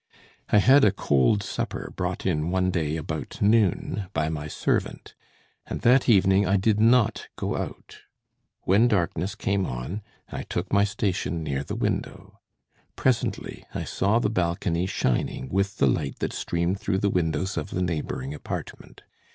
I had a cold supper brought in one day about noon by my servant, and that evening I did not go out. When darkness came on, I took my station near the window. Presently I saw the balcony shining with the light that streamed through the windows of the neighboring apartment.